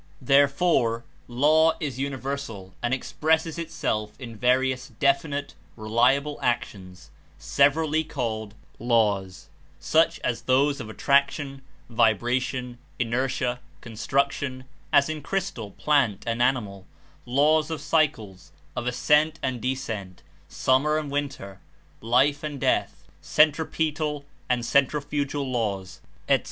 Therefore Law is universal and expresses it self in various definite, reliable actions, severally called laws — such as those of attraction, vibration, inertia, construction (as in crystal, plant and animal), laws of cycles, of ascent and descent, summer and winter, life and death, centripetal and centrifugal laws, etc.